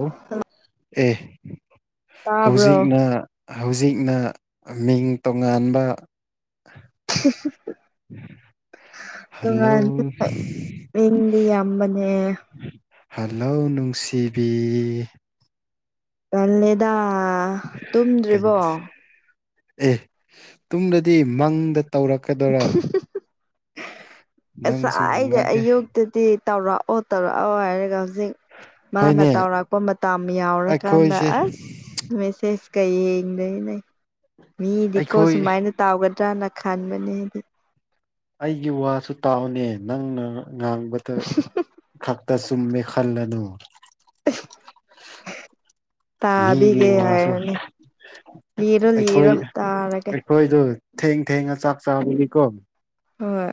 ꯎꯝ ꯑꯦ ꯇꯥꯕ꯭ꯔꯣ ꯍꯧꯖꯤꯛꯅ ꯍꯧꯖꯤꯛꯅ ꯃꯤꯡ ꯇꯣꯉꯥꯟꯕ [inaudible] ꯍꯜꯂꯣ ꯇꯣꯉꯥꯟꯕꯅꯦ ꯃꯤꯗꯤ ꯌꯥꯝꯕꯅꯦ ꯍꯦꯜꯂꯣ ꯅꯨꯡꯁꯤꯕꯤ ꯇꯜꯂꯦꯗ ꯇꯨꯝꯗ꯭ꯔꯤꯕꯣ ꯑꯦ ꯇꯨꯝꯃꯗꯤ ꯃꯪꯗ ꯇꯧꯔꯛꯀꯗ꯭ꯔꯥ ꯉꯁꯥꯏꯒꯩꯗꯤ ꯉꯛꯑꯦ ꯑꯌꯨꯛꯇꯗꯤ ꯇꯧꯔꯛꯑꯣ ꯇꯧꯔꯛꯑꯣ ꯍꯥꯏꯔꯒ ꯍꯧꯖꯤꯛ ꯃꯥꯅ ꯍꯣꯏꯅꯦ ꯇꯧꯔꯥꯛꯄ ꯃꯇꯝ ꯌꯧꯔꯀꯥꯟꯗ ꯑꯩꯈꯣꯏꯁꯦ ꯑꯁ ꯃꯦꯁꯦꯁꯀ ꯌꯦꯡꯗꯣꯏꯅꯦ ꯃꯤꯗꯤꯀꯣ ꯑꯩꯈꯣꯏ ꯁꯨꯃꯥꯏꯅ ꯇꯧꯒꯗ꯭ꯔꯅ ꯈꯟꯕꯅꯦ ꯑꯩꯗꯤ ꯑꯩꯒꯤ ꯋꯥꯁꯨ ꯇꯥꯎꯅꯦ ꯅꯪꯅ ꯉꯥꯡꯕꯗ ꯈꯛꯇ ꯆꯨꯝꯃꯦ ꯈꯜꯂꯅꯨ [inaudible] ꯃꯤꯒꯤ ꯇꯥꯕꯤꯒꯦ ꯋꯥꯁꯨ ꯍꯥꯏꯔꯣꯅꯣ ꯂꯤꯔꯣ ꯑꯩꯈꯣꯏ ꯂꯤꯔꯣ ꯇꯥꯔꯒꯦ ꯑꯩꯈꯣꯏꯗꯣ ꯊꯦꯡ ꯊꯦꯡꯉꯥ ꯆꯥꯛ ꯆꯥꯕꯅꯤꯀꯣ ꯍꯣꯏ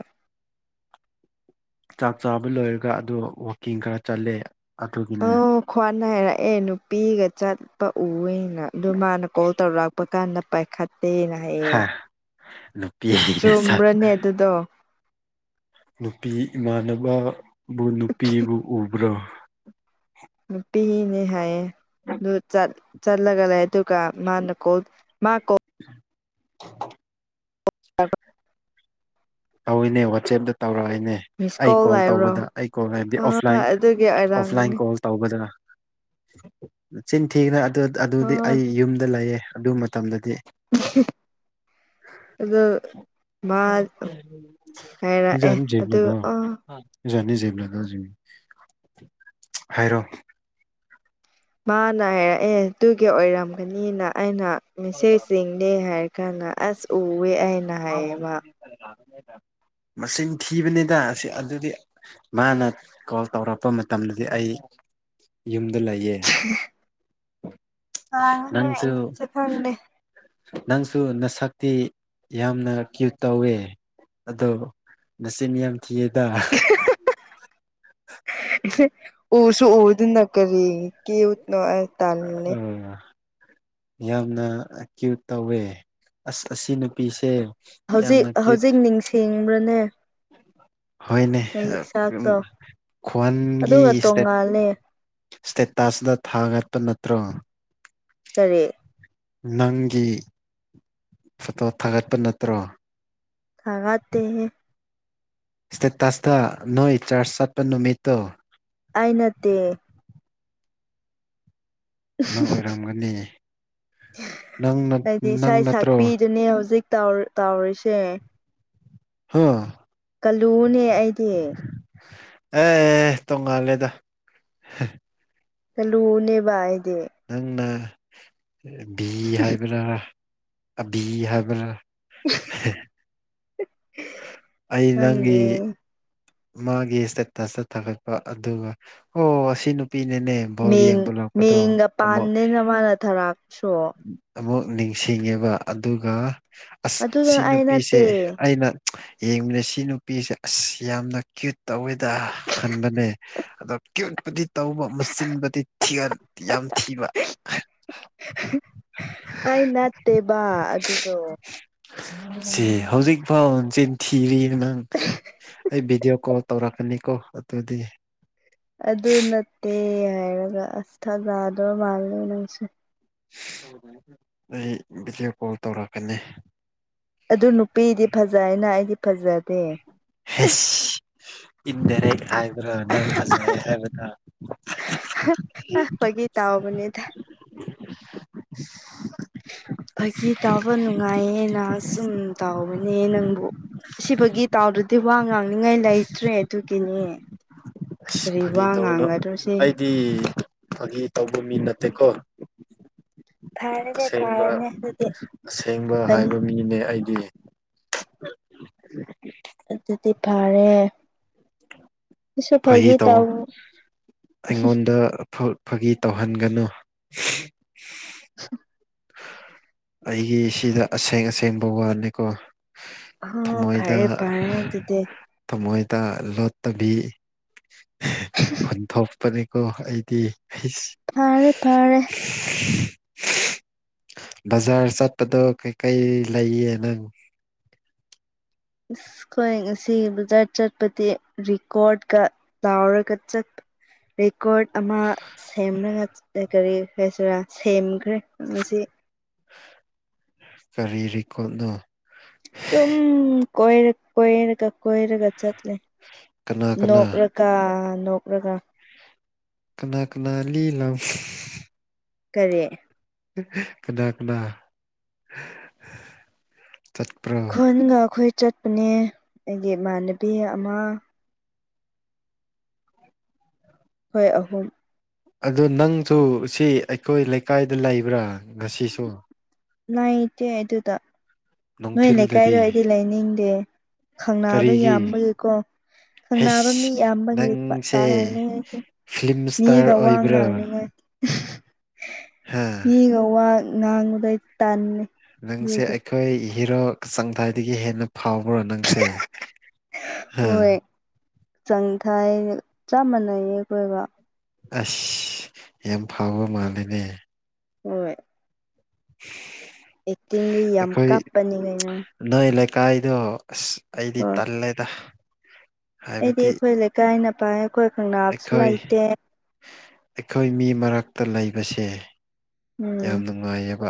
ꯆꯥꯛ ꯆꯥꯕ ꯂꯣꯏꯔꯒ ꯑꯗꯨ ꯋꯥꯛꯀꯤꯡ ꯈꯔ ꯆꯠꯂꯦ ꯑꯗꯨꯒꯤꯅꯦ ꯑꯣ ꯈ꯭ꯋꯥꯟꯅ ꯍꯥꯏꯔꯛꯑꯦ ꯅꯨꯄꯤꯒ ꯆꯠꯄ ꯎꯑꯦꯅ ꯑꯗꯨ ꯃꯥꯅ ꯀꯣꯜ ꯇꯧꯔꯛ ꯔꯛꯄ ꯀꯥꯟꯗ ꯄꯥꯏꯈꯠꯇꯦꯅ ꯍꯥꯏꯌꯦ ꯍꯥꯥ ꯅꯨꯄꯤꯅꯦ ꯁꯥꯠ ꯑꯗꯣ ꯅꯨꯄꯤ ꯏꯃꯥꯟꯅꯕꯕꯨ ꯅꯨꯄꯤꯕꯨ ꯎꯕ꯭ꯔꯣ ꯅꯨꯄꯤꯅꯦ ꯍꯥꯏꯌꯦ ꯑꯗꯨ ꯆꯠ ꯆꯠꯂꯒ ꯂꯩ ꯑꯗꯨꯒ ꯃꯥꯅ ꯀꯣꯜ ꯃꯥꯀꯣ [inaudible] ꯇꯧꯏꯅꯦ ꯋꯥꯆꯦꯞꯇ ꯇꯧꯔꯛꯏꯅꯦ ꯃꯤꯁ ꯑꯩ ꯀꯣꯜ ꯂꯥꯛꯕ꯭ꯔꯣ ꯇꯧꯕꯗ ꯑꯩ ꯀꯣꯜ ꯒꯤ ꯑꯥ ꯑꯣꯐꯂꯥꯏꯟ ꯑꯗꯨꯒꯤ ꯑꯣꯐꯂꯥꯏꯟ ꯑꯣꯏꯔꯥꯡꯒꯅꯤ ꯀꯣꯜ ꯇꯧꯕꯗ ꯆꯤꯟ ꯊꯤꯅꯨ ꯑꯗꯨꯗꯤ ꯑꯥ ꯑꯩ ꯌꯨꯝꯗ ꯂꯩꯌꯦ ꯑꯗꯨ ꯃꯇꯝꯗ ꯃꯇꯝꯗꯗꯤ ꯑꯗꯣ ꯃꯥꯔ ꯑꯥ [unintelligible] [unintelligible] ꯍꯥꯏꯔꯣ ꯃꯥꯅ ꯍꯥꯏꯔꯛꯑꯦ ꯇꯨꯒꯤ ꯑꯣꯏꯔꯝꯒꯅꯤꯅ ꯑꯩꯅ ꯃꯦꯁꯦꯖꯁꯤꯡ ꯍꯥꯏꯔ ꯀꯟꯗꯥ ꯑꯁ ꯎꯩꯌꯦ ꯃꯆꯤꯟ ꯊꯤꯕꯅꯤꯗ ꯑꯁꯤ ꯑꯗꯨꯗꯤ ꯃꯥꯅ ꯀꯣꯜ ꯇꯧꯔꯛꯄ ꯃꯇꯝꯗꯗꯤ ꯑꯩ ꯌꯨꯝꯗ ꯂꯩꯌꯦ [unintelligible] ꯀꯅꯥꯅꯣ ꯅꯣꯏ ꯅꯪꯁꯨ ꯑꯅꯤꯁꯦ ꯈꯪꯗꯦ ꯅꯪꯁꯨ ꯅꯁꯛꯇꯤ ꯌꯥꯝꯅ ꯀ꯭ꯌꯨꯠ ꯇꯧꯋꯦ ꯑꯗꯣ ꯅꯆꯤꯟ ꯌꯥꯝ ꯊꯤꯌꯦꯗ ꯎꯁꯨ ꯎꯗꯅ ꯀꯔꯤ ꯀ꯭ꯌꯨꯠꯅꯣ ꯑꯩ ꯇꯜꯂꯦ ꯑꯥ ꯌꯥꯝꯅ ꯀ꯭ꯌꯨꯠ ꯇꯧꯋꯦ ꯑꯁ ꯑꯁꯤ ꯅꯨꯄꯤꯁꯦ ꯍꯧꯖꯤꯛ ꯌꯥꯝꯅ ꯀ꯭ꯌꯨꯠ ꯍꯧꯖꯤꯛ ꯅꯤꯡꯁꯤꯡꯕ꯭ꯔꯅꯦ ꯍꯣꯏꯅꯦ ꯅꯪꯒꯤ ꯆꯥꯛꯇꯣ ꯈ꯭ꯋꯥꯟꯒꯤ ꯑꯗꯨꯒ ꯏꯁꯇꯦꯠ ꯇꯣꯡꯉꯥꯜꯂꯦ ꯁꯇꯦꯇꯁꯇ ꯊꯥꯒꯠꯄ ꯅꯠꯇ꯭ꯔꯣ ꯀꯔꯤ ꯅꯪꯒꯤ ꯐꯣꯇꯣ ꯊꯥꯒꯠꯄ ꯅꯠꯇ꯭ꯔꯣ ꯊꯥꯒꯠꯇꯦꯍꯦ ꯁꯇꯦꯇꯁꯇ ꯅꯣꯏ ꯆꯥꯔꯆ ꯆꯠꯄ ꯅꯨꯃꯤꯠꯇꯣ ꯑꯩ ꯅꯠꯇꯦ ꯅꯪ ꯑꯣꯏꯔꯝꯒꯅꯤ ꯅꯪ ꯑꯩꯗꯤ ꯅꯪ ꯏꯁꯩ ꯅꯠꯇ꯭ꯔꯣ ꯁꯥꯛꯄꯤꯗꯨꯅꯦ ꯍꯧꯖꯤꯛ ꯇꯥꯎꯔꯤꯁꯦ ꯍꯥꯥ ꯀꯜꯂꯨꯅꯦ ꯑꯩꯗꯤ ꯑꯦ ꯇꯣꯡꯉꯥꯜꯂꯦꯗ ꯀꯂꯨꯅꯦꯕ ꯑꯩꯗꯤ ꯅꯪꯅ ꯕꯤ ꯍꯥꯏꯕꯔꯥꯔꯥ ꯑꯕꯤ ꯍꯥꯏꯕꯔꯥꯔꯥ ꯍꯦ [inaudible] ꯑꯩ ꯅꯪꯒꯤ ꯈꯪꯗꯦ ꯃꯥꯒꯤ ꯏꯁꯇꯦꯇꯁꯇ ꯊꯥꯒꯠꯄ ꯑꯗꯨꯒ ꯑꯣ ꯁꯤ ꯅꯨꯄꯤꯅꯅꯦ ꯕꯣꯜ ꯃꯤꯡ ꯌꯦꯡꯕ ꯂꯥꯛꯄꯗꯣ ꯃꯤꯡꯒ ꯑꯃꯨꯛ ꯄꯥꯟꯗꯦꯅ ꯃꯥꯅ ꯊꯥꯔꯛꯄꯁꯨ ꯑꯃꯨꯛ ꯅꯤꯡꯁꯤꯡꯉꯦꯕ ꯑꯗꯨꯒ ꯑꯁ ꯑꯗꯨꯗꯣ ꯁꯤ ꯑꯩ ꯅꯨꯄꯤꯁꯦ ꯅꯠꯇꯦ ꯑꯩꯅ ꯌꯦꯡꯕꯅꯦ ꯁꯤ ꯅꯨꯄꯤꯁꯦ ꯑꯁ ꯌꯥꯝꯅ ꯀ꯭ꯌꯨꯠ ꯇꯧꯋꯦꯗ ꯈꯟꯕꯅꯦ ꯑꯗꯣ ꯀ꯭ꯌꯨꯠꯄꯨꯗꯤ ꯇꯧꯕ ꯃꯨꯆꯤꯟꯕꯗꯤ ꯊꯤꯌꯟ ꯌꯥꯝ ꯊꯤꯕ [unintelligible] [unintelligible] ꯑꯩ ꯅꯠꯇꯦꯕ ꯑꯗꯨꯗꯣ ꯁꯤ ꯍꯧꯖꯤꯛꯐꯥꯎ ꯆꯤꯟ ꯊꯤꯔꯤ ꯅꯪ ꯑꯩ ꯚꯤꯗꯤꯑꯣ ꯀꯣꯜ ꯇꯧꯔꯛꯀꯅꯤꯀꯣ ꯑꯗꯨꯗꯤ ꯑꯗꯨ ꯅꯠꯇꯦ ꯍꯥꯏꯔꯒ ꯑꯁ ꯊꯥꯖꯗꯕ ꯃꯥꯜꯂꯦ ꯅꯪꯁꯨ ꯑꯩ ꯚꯤꯗꯤꯑꯣ ꯀꯣꯜ ꯇꯧꯔꯛꯀꯅꯤ ꯑꯗꯨ ꯅꯨꯄꯤꯗꯤ ꯐꯖꯩꯅ ꯑꯩꯗꯤ ꯐꯖꯗꯦ ꯍꯦꯁ ꯏꯟꯗꯥꯏꯔꯦꯛ ꯍꯥꯏ ꯔ ꯅꯪ ꯐꯖꯩ ꯍꯥꯏꯕ ꯅꯠꯇ꯭ꯔꯥ ꯑ ꯐꯥꯒꯤ ꯇꯥꯎꯕꯅꯤꯗ ꯐꯥꯒꯤ ꯇꯧꯕ ꯅꯨꯡꯉꯥꯏꯌꯦꯅ ꯁꯨꯝ ꯇꯥꯎꯕꯅꯦ ꯅꯪꯕꯨ ꯁꯤ ꯐꯥꯒꯤ ꯇꯥꯎꯗ꯭ꯔꯗꯤ ꯋꯥ ꯉꯥꯡꯅꯤꯡꯉꯥꯏ ꯂꯩꯇ꯭ꯔꯦ ꯑꯗꯨꯒꯤꯅꯦ ꯀꯔꯤ ꯋꯥ ꯉꯥꯡꯒꯗ꯭ꯔꯣꯁꯤ ꯗꯤ ꯐꯒꯤ ꯇꯧꯕ ꯃꯤ ꯅꯠꯇꯦꯀꯣ ꯐꯔꯦꯅꯦ ꯑꯁꯦꯡꯕ ꯐꯔꯦꯅꯦ ꯑꯗꯨꯗꯤ ꯑꯁꯦꯡꯕ ꯍꯥꯏꯕ ꯐꯒꯤ ꯃꯤꯅꯦ ꯑꯩꯗꯤ [unintelligible] ꯑꯗꯨꯗꯤ ꯐꯔꯦ ꯐꯥꯒꯤ ꯇꯧ ꯑꯩꯉꯣꯟꯗ ꯐꯥꯒꯤ ꯇꯧꯍꯟꯒꯅꯨ [unintelligible] ꯑꯩꯒꯤ ꯁꯤꯗ ꯑꯁꯦꯡ ꯑꯁꯦꯡꯕ ꯋꯥꯅꯤꯀꯣ ꯍꯣ ꯊꯃꯣꯏꯗ ꯐꯔꯦ ꯐꯔꯦ ꯑꯗꯨꯗꯤ ꯊꯃꯣꯏꯗ ꯂꯣꯠꯇꯕꯤ ꯍꯥ ꯍꯨꯟꯊꯣꯛꯄꯅꯤ ꯀꯣ ꯑꯩꯗꯤ ꯍꯩꯁ ꯐꯔꯦ ꯐꯔꯦ [inaudible] ꯕꯖꯥꯔ ꯆꯠꯄꯗꯣ ꯀꯩꯀꯩ ꯂꯩꯌꯦ ꯅꯪ ꯏꯁ ꯑꯩꯈꯣꯏ ꯉꯁꯤ ꯕꯖꯥꯔ ꯆꯠꯄꯗꯤ ꯔꯤꯀꯣꯔꯠꯀ ꯂꯥꯎꯔꯒ ꯆꯠ ꯔꯤꯀꯣꯔꯠ ꯑꯃꯥ ꯁꯦꯝꯔꯒ ꯑꯥ ꯀꯔꯤ ꯍꯥꯏꯁꯤꯔꯥ ꯁꯦꯝꯈ꯭ꯔꯦ ꯉꯁꯤ ꯀꯔꯤ ꯔꯤꯀꯣꯠꯅꯣ ꯇꯨꯝ ꯀꯣꯏꯔꯛ ꯀꯣꯏꯔꯒ ꯀꯣꯏꯔꯒ ꯆꯠꯂꯦ ꯀꯅꯥ ꯀꯅꯥ ꯅꯣꯛꯔꯛ ꯀꯥ ꯅꯣꯛꯔꯒ ꯀꯅꯥ ꯀꯅꯥ ꯂꯤꯂꯞ ꯀꯔꯤ ꯀꯅꯥ ꯀꯅꯥ ꯆꯠꯄ꯭ꯔꯣ ꯈꯨꯟꯒ ꯑꯩꯈꯣꯏ ꯆꯠꯄꯅꯦ ꯑꯩꯒꯤ ꯏꯃꯥꯟꯅꯕꯤ ꯑꯃꯥ ꯈꯣꯏ ꯑꯍꯨꯝ ꯑꯗꯨ ꯅꯪꯁꯨ ꯁꯤ ꯑꯩꯈꯣꯏ ꯂꯩꯀꯥꯏꯗ ꯂꯩꯕ꯭ꯔꯥ ꯉꯁꯤꯁꯨ ꯅꯩꯇꯦ ꯑꯗꯨꯗꯥ ꯅꯣꯏ ꯅꯨꯡꯊꯤꯜꯗꯗꯤ ꯂꯩꯀꯥꯏꯗꯣ ꯑꯩꯗꯤ ꯂꯩꯅꯤꯡꯗꯦ ꯈꯪꯅꯕ ꯀꯔꯤꯒꯤ ꯌꯥꯝꯕꯒꯤꯀꯣ ꯈꯪꯅꯕ ꯃꯤ ꯍꯩꯁ ꯑꯌꯥꯝꯕꯒꯤ ꯅꯪꯁꯦ ꯄꯠꯇꯥꯜꯂꯂꯦ ꯑꯩꯁꯨ ꯐꯤꯂꯝ ꯏꯁꯇꯥꯔ ꯃꯤꯒ ꯋꯥ ꯑꯣꯏꯕ꯭ꯔꯥ ꯉꯥꯡꯅꯤꯡꯉꯥꯏ [unintelligible] ꯍꯥ ꯃꯤꯒ ꯋꯥ ꯉꯥꯡꯕꯩ ꯇꯟꯂꯦ ꯅꯪꯁꯦ ꯑꯩꯈꯣꯏ ꯍꯤꯔꯣꯛ ꯆꯪꯊꯥꯏꯗꯒꯤ ꯍꯦꯟꯅ ꯐꯥꯎꯕ꯭ꯔꯣ ꯅꯪ ꯁꯦ ꯍꯥ ꯆꯪ ꯊꯥꯏ ꯆꯞ ꯃꯥꯟꯅꯩꯌꯦ ꯀꯣꯏꯕ ꯑꯁ ꯌꯥꯝ ꯐꯥꯎꯕ ꯃꯥꯜꯂꯦꯅꯦ ꯍꯣꯏ [inaudible] ꯑꯦꯛꯇꯤꯡꯗꯤ ꯌꯥꯝ ꯑꯩꯈꯣꯏ ꯀꯥꯞꯄꯅꯤ ꯀꯩꯅꯣ ꯅꯣꯏ ꯂꯩꯀꯥꯏꯗꯣ ꯑꯁ ꯑꯩꯗꯤ ꯍꯣꯏ ꯇꯜꯂꯦꯗ ꯑꯩꯗꯤ ꯍꯥꯏꯕꯗꯤ ꯑꯩꯈꯣꯏ ꯂꯩꯀꯥꯏꯅ ꯄꯥꯏ ꯑꯩꯈꯣꯏ ꯈꯪꯅꯥꯕꯁꯨ ꯑꯩꯈꯣꯏ ꯂꯩꯇꯦ ꯑꯩꯈꯣꯏ ꯃꯤ ꯃꯔꯛꯇ ꯂꯩꯕꯁꯦ ꯎꯝ ꯌꯥꯝ ꯅꯨꯡꯉꯥꯏꯌꯦꯕ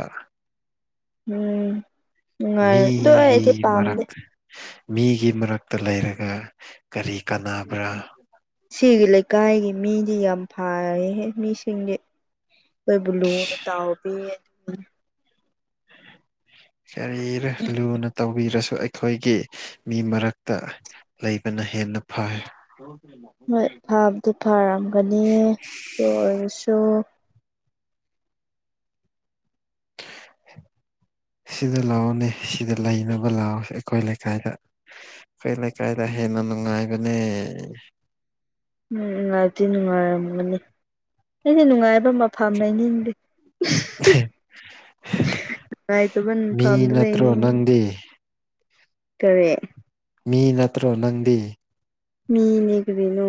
ꯎꯝ ꯅꯨꯡꯉꯥꯏꯔꯤ ꯑꯗꯨ ꯃꯤꯒꯤ ꯑꯩꯗꯤ ꯃꯔꯛ ꯄꯥꯝꯗꯦ ꯃꯤꯒꯤ ꯃꯔꯛꯇ ꯂꯩꯔꯒ ꯀꯔꯤ ꯀꯥꯟꯅꯕ꯭ꯔ ꯁꯤꯒꯤ ꯂꯩꯀꯥꯏꯒꯤ ꯃꯤꯗꯤ ꯌꯥꯝ ꯐꯥꯌꯦꯍꯦ ꯃꯤꯁꯤꯡꯗꯤ ꯂꯣꯏꯕꯨ ꯂꯨꯅ ꯇꯥꯎꯕꯤꯌꯦ ꯀꯔꯤꯔ ꯂꯨꯅ ꯇꯧꯕꯤꯔꯁꯨ ꯑꯩ ꯈꯣꯏꯒꯤ ꯃꯤ ꯃꯔꯛꯇ ꯂꯩꯕꯅ ꯍꯦꯟꯅ ꯐꯥꯏ ꯍꯣꯏ ꯐꯥꯕꯨꯗꯤ ꯐꯔꯝꯒꯅꯤ ꯑꯗꯨ ꯑꯣꯏꯔꯁꯨ [inaudible] ꯁꯤꯗ ꯂꯥꯛꯑꯣꯅꯦ ꯁꯤꯗ ꯂꯩꯅꯕ ꯂꯥꯛꯑꯣ ꯑꯩꯈꯣꯏ ꯂꯩꯀꯥꯏꯗ ꯑꯩꯈꫭꯏ ꯂꯩꯀꯥꯏꯗ ꯍꯦꯟꯅ ꯅꯨꯡꯉꯥꯏꯕꯅꯦ ꯎꯝ ꯅꯨꯡꯉꯥꯏꯞꯗꯤ ꯅꯨꯡꯉꯥꯏꯔꯝꯒꯅꯤ ꯑꯩꯗꯤ ꯅꯨꯡꯉꯥꯏꯕ ꯃ ꯐꯝ ꯂꯩꯅꯤꯡꯗꯦ [unintelligible] ꯅꯨꯡꯉꯥꯏꯇꯕ ꯃꯤ ꯃꯐꯝꯗ ꯅꯠꯇ꯭ꯔꯣ ꯂꯩꯅꯤꯡꯉꯦ ꯅꯪꯗꯤ ꯀꯔꯤ ꯃꯤ ꯅꯠꯇ꯭ꯔꯣ ꯅꯪꯗꯤ ꯃꯤꯅꯦ ꯀꯔꯤꯅꯣ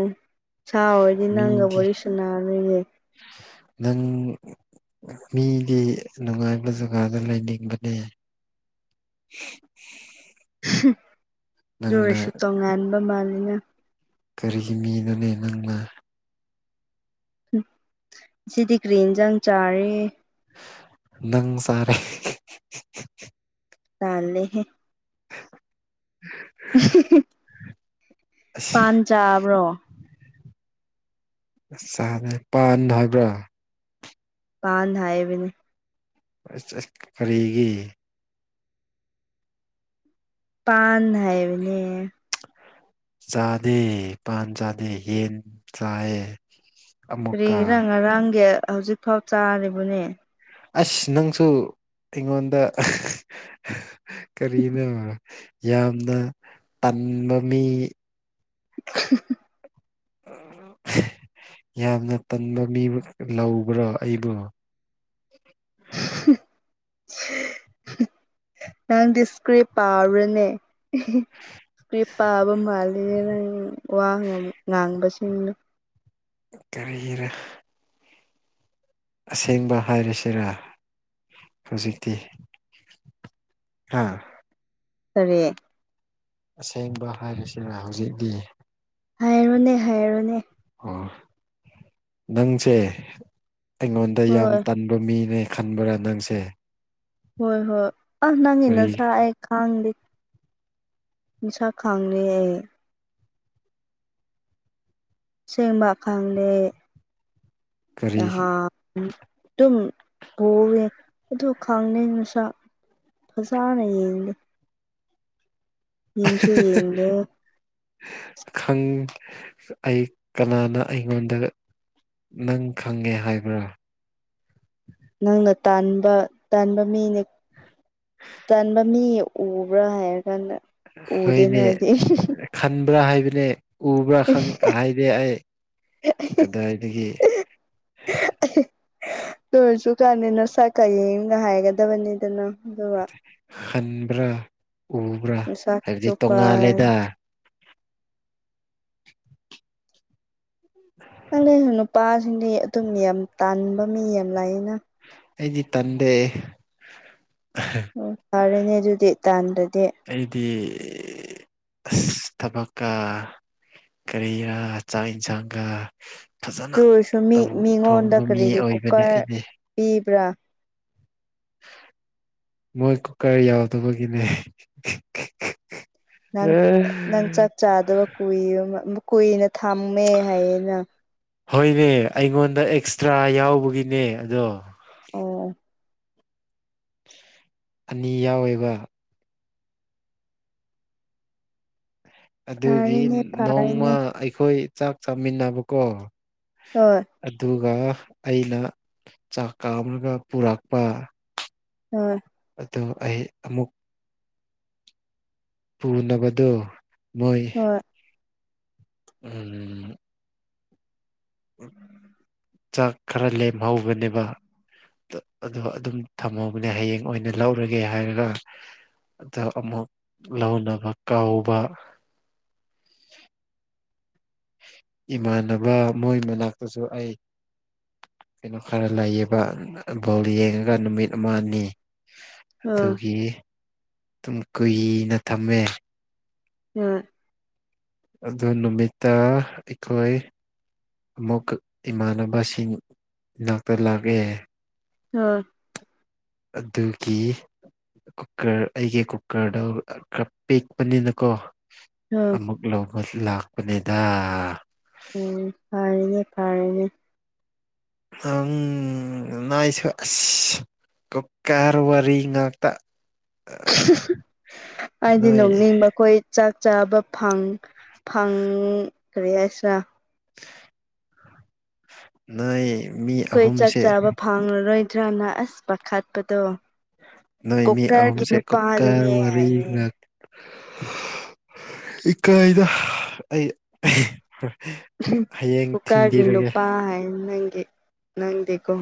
ꯁꯥ ꯑꯣꯏꯔꯗꯤ ꯅꯪꯒ ꯃꯤꯗꯤ ꯋꯥꯔꯤ ꯁꯥꯟꯅꯔꯣꯏꯌꯦ ꯅꯪ ꯃꯤꯗꯤ ꯅꯨꯡꯉꯥꯏꯕ ꯖꯒꯥꯗ ꯂꯩꯅꯤꯡꯕꯅꯦ [inaudible] [unintelligible] ꯑꯗꯨ ꯅꯪꯅ ꯑꯣꯏꯔꯁꯨ ꯇꯣꯉꯥꯟꯕ ꯃꯥꯜꯂꯤꯗ ꯀꯔꯤꯒꯤ ꯃꯤꯅꯣꯅꯦ ꯅꯪꯂ ꯁꯤꯗꯤ ꯀ꯭ꯔꯤ ꯏꯟꯖꯥꯡ ꯆꯥꯔꯦ ꯅꯪ ꯆꯥꯔꯦ ꯇꯜꯂꯦꯍꯦ [unintelligible] ꯄꯥꯟ ꯆꯥꯕ꯭ꯔꯣ ꯆꯥꯅ ꯄꯥꯥꯟ ꯍꯥꯏꯕ꯭ꯔ ꯄꯥꯟ ꯍꯥꯏꯕꯅꯦ ꯑꯁ ꯑꯁ ꯀꯔꯤꯒꯤ ꯄꯥꯟ ꯍꯥꯏꯕꯅꯦ ꯆꯥꯗꯦ ꯄꯥꯟ ꯆꯥꯗꯦ ꯌꯦꯟ ꯆꯥꯏꯌꯦ ꯑꯃꯨꯛꯀ ꯀꯔꯤꯒꯤꯔ ꯉꯔꯥꯡꯒꯤ ꯍꯧꯖꯤꯛꯐꯥꯎ ꯆꯥꯔꯤꯕꯅꯦ ꯑꯁ ꯅꯪꯁꯨ ꯑꯩꯉꯣꯟꯗ ꯀꯔꯤꯅꯣꯕ ꯌꯥꯝꯅ ꯇꯟꯕ ꯃꯤ [unintelligible] [unintelligible] ꯌꯥꯝꯅ ꯇꯟꯕ ꯃꯤ ꯂꯧꯕ꯭ꯔꯣ ꯑꯩꯕꫭ [unintelligible] ꯅꯪꯗꯤ ꯏꯁꯀ꯭ꯔꯤꯞ ꯄꯥꯕ꯭ꯔꯅꯦ [unintelligible] ꯏꯁꯀ꯭ꯔꯤꯞ ꯄꯥꯕ ꯃꯥꯜꯂꯦ ꯅꯪ ꯋꯥ ꯉꯥꯡꯕꯁꯤꯡꯗꯣ ꯀꯔꯤꯒꯤꯔ ꯑꯁꯦꯡꯕ ꯍꯥꯏꯔꯁꯤꯔ ꯍꯧꯖꯤꯛꯇꯤ ꯍꯥ ꯀꯔꯤ ꯑꯁꯦꯡꯕ ꯍꯥꯏꯔꯁꯤꯔ ꯍꯧꯖꯤꯛꯇꯤ ꯍꯥꯏꯔꯣꯅꯦ ꯍꯥꯏꯔꯣꯅꯦ ꯑꯣ ꯅꯪꯁꯦ ꯑꯩꯉꯣꯟꯗ ꯌꯥꯝ ꯍꯣꯏ ꯇꯟ ꯕ ꯃꯤꯅꯦ ꯈꯟꯕ꯭ꯔ ꯅꯪꯁꯦ ꯍꯣꯏ ꯍꯣꯏ ꯑꯥ ꯅꯪꯒꯤ ꯀꯔꯤ ꯅꯁꯥ ꯑꯩ ꯈꯪꯗꯦ ꯃꯤꯁꯛ ꯈꯪꯅꯤꯌꯦ ꯑꯁꯦꯡꯕ ꯈꯪꯂꯦ ꯀꯔꯤ ꯅꯍꯥ ꯎꯝ ꯑꯗꯨꯝ [unintelligible] ꯑꯗꯨ ꯈꯪꯗꯦ ꯅꯁꯥ ꯅꯁꯥꯅ ꯌꯦꯡꯗꯦ ꯌꯦꯡꯁꯨ ꯌꯦꯡꯗꯦ [unintelligible] ꯈꯪ ꯑꯩ ꯀꯅꯥꯅ ꯑꯩꯉꯣꯟꯗ ꯅꯪ ꯈꯪꯉꯦ ꯍꯥꯏꯕ꯭ꯔꯥ ꯅꯪꯅ ꯇꯥꯟꯕ ꯇꯟꯕ ꯃꯤꯅꯦ ꯇꯟꯕ ꯃꯤ ꯎꯕ꯭ꯔꯥ ꯍꯥꯏꯔꯀꯥꯟꯗ ꯎꯗꯦꯅ ꯍꯣꯏꯅꯦ ꯍꯥꯏꯗꯤ ꯈꯟꯕ꯭ꯔꯥ ꯍꯥꯏꯕꯅꯦ ꯎꯕ꯭ꯔꯥ ꯈꯪ ꯍꯥꯏꯗꯤ ꯑꯩ ꯀꯗꯥꯏꯗꯒꯤ [inaudible] ꯗꯨꯑꯣꯏꯔꯁꯨ [unintelligible] ꯅꯁꯛꯀ ꯌꯦꯡꯉꯒ ꯍꯥꯏꯒꯗꯕꯅꯤꯗꯅ ꯑꯗꯨꯒ ꯍꯟꯕ꯭ꯔꯥ ꯎꯕ꯭ꯔꯥ ꯅꯁꯛ ꯍꯥꯏꯕꯗꯤ ꯆꯨꯄ ꯇꯣꯉꯥꯜꯂꯦꯗ [inaudible] [unintelligible] ꯅꯨꯄꯥꯁꯤꯡꯗꯤ ꯑꯗꯨꯝ ꯌꯥꯝ ꯇꯥꯟꯕ ꯃꯤ ꯌꯥꯝ ꯂꯩꯅꯥ ꯑꯩꯗꯤ ꯇꯟꯗꯦ ꯑꯣ ꯐꯥꯔꯦꯅꯦ ꯑꯗꯨꯗꯤ ꯇꯥꯟꯗꯗꯤ ꯑꯩꯗꯤ ꯑꯁ ꯊꯕꯛꯀ ꯀꯔꯤꯔꯥ ꯆꯥꯛ ꯏꯟꯁꯥꯡꯒ ꯑꯗꯨꯑꯣꯏꯁꯨ ꯃꯤ ꯃꯤꯉꯣꯟꯗ ꯊꯣꯡꯕ ꯃꯤ ꯀꯔꯤꯒꯤ ꯑꯣꯏꯕꯅꯦ ꯀꯨꯀꯔ ꯑꯩꯗꯤ ꯄꯤꯕ꯭ꯔꯥ ꯃꯣꯏ ꯀꯨꯀꯔ ꯌꯥꯗꯕꯒꯤꯅꯦ ꯅꯪ ꯅꯪ ꯆꯥꯛ ꯆꯥꯗꯕ ꯀꯨꯏꯔꯥ ꯑꯃ ꯀꯨꯏꯅ ꯊꯝꯃꯦ ꯍꯥꯏꯌꯦꯅ ꯍꯣꯏꯅꯦ ꯑꯩꯉꯣꯟꯗ ꯑꯦꯛꯁꯇ꯭ꯔꯥ ꯌꯥꯎꯕꯒꯤꯅꯦ ꯑꯗꯣ ꯑꯣ ꯑꯅꯤ ꯌꯥꯎꯋꯦꯕ ꯑꯗꯨꯒꯤ ꯐꯔꯦꯅꯦ ꯐꯔꯦꯅꯦ ꯅꯣꯡꯃ ꯑꯩꯈꯣꯏ ꯆꯥꯛ ꯆꯥꯃꯤꯟꯅꯕꯀꯣ ꯍꯣꯏ ꯑꯗꯨꯒ ꯑꯩꯅ ꯆꯥꯛ ꯀꯥꯝꯃꯒ ꯄꯨꯔꯛꯄ ꯎꯝ ꯑꯗꯨ ꯑꯩ ꯑꯃꯨꯛ ꯄꯨꯅꯕꯗꯨ ꯃꯣꯏ ꯍꯣꯏ ꯎꯝ ꯆꯥꯛ ꯈꯔ ꯂꯦꯝꯍꯧꯕꯅꯦꯕ ꯗꯣ ꯑꯗꯣ ꯑꯗꯨꯝ ꯊꯝꯍꯧꯕꯅꯦ ꯍꯌꯦꯡ ꯑꯣꯏꯅ ꯂꯧꯔꯒꯦ ꯍꯥꯏꯔꯒ ꯑꯗ ꯑꯃꯨꯛ ꯂꯧꯅꯕ ꯀꯧꯕ ꯏꯃꯥꯟꯅꯕ ꯃꯣꯏ ꯃꯅꯥꯛꯇꯁꯨ ꯑꯩ ꯀꯩꯅꯣ ꯈꯔ ꯂꯩꯌꯦꯕ ꯕꯣꯜ ꯌꯦꯡꯉꯒ ꯅꯨꯃꯤꯠ ꯑꯃ ꯑꯅꯤ ꯎꯝ ꯑꯗꯨꯒꯤ ꯑꯗꯨꯝ ꯀꯨꯏꯅ ꯊꯝꯃꯦ [unintelligible] ꯑꯗꯨ ꯅꯨꯃꯤꯠꯇ ꯑꯩꯈꯣꯏ ꯑꯃꯨꯛꯀ ꯏꯃꯥꯟꯅꯕꯁꯤꯡ ꯅꯥꯛꯇ ꯂꯥꯛꯑꯦ [unintelligible] ꯑꯗꯨꯒꯤ ꯀꯨꯀꯔ ꯑꯩꯒꯤ ꯀꯨꯀꯔꯗꯣ ꯈꯔ ꯄꯤꯛꯄꯅꯤꯅꯀꯣ ꯎꯝ ꯑꯃꯨꯛ ꯂꯧꯕ ꯂꯥꯛꯄꯅꯤꯗ ꯎꯝ ꯐꯔꯦꯅꯦ ꯐꯔꯦꯅꯦ ꯑꯪ ꯅꯥꯏꯁꯨ ꯑꯁ ꯀꯨꯀꯔ ꯋꯥꯔꯤ ꯉꯥꯛꯇꯥ ꯑꯩꯗꯤ ꯅꯣꯏ ꯅꯣꯛꯅꯤꯡꯕ ꯑꯩꯈꯣꯏ ꯆꯥꯛ ꯆꯥꯕ ꯐꯪ ꯐꯪ ꯀꯔꯤ ꯍꯥꯏꯁꯤꯔꯥ ꯅꯣꯏ ꯃꯤ ꯑꯍꯨꯝꯁꯦ ꯐꯪꯔꯔꯣꯏꯗ꯭ꯔꯥꯅ ꯑꯁ ꯄꯥꯈꯠꯄꯗꯣ ꯅꯣꯏ ꯃꯤ ꯀꯨꯀꯔꯒꯤ ꯑꯍꯨꯝꯁꯦ ꯀꯨꯀꯔ ꯅꯨꯄꯥꯗꯨꯅꯦ ꯋꯥꯔꯤ ꯍꯥꯏꯌꯦ ꯉꯥꯛ ꯏꯀꯥꯏꯗ ꯑꯩ [unintelligible] ꯍꯌꯦꯡ ꯀꯨꯀꯥꯔꯒꯤ ꯊꯤꯟꯕꯤꯔꯒꯦ ꯅꯨꯄꯥ ꯍꯥꯏ ꯅꯪꯒꯤ ꯅꯪꯗꯤꯀꯣ